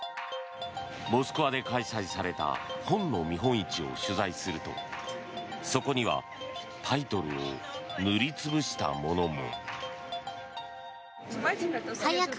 モスクワで開催された本の見本市を取材するとそこにはタイトルを塗り潰したものも。